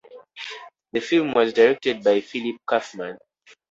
The film was directed by Philip Kaufman.